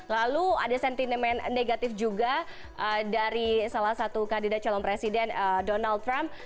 lalu ada sentimen negatif juga dari salah satu kandidat calon presiden donald trump